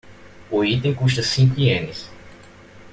O item custa cinco ienes.